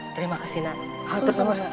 terima kasih nak